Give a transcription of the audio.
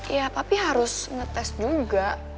ya tapi harus ngetes juga